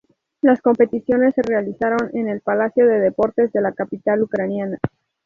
Las competiciones se realizaron en el Palacio de Deportes de la capital ucraniana.